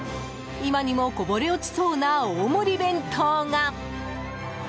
今にもこぼれ落ちそうな大盛り弁当が！